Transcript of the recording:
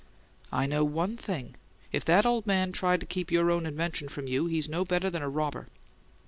"I know ONE thing: if that old man tried to keep your own invention from you he's no better than a robber!"